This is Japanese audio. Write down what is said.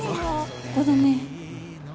ここだね。